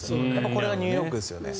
これがニューヨークですよね。